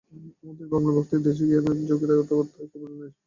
আমাদের বাঙলা ভক্তির দেশ ও জ্ঞানের দেশ, যোগের বার্তা একেবারে নাই বলিলেই হয়।